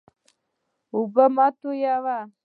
اوبه مه تویوه.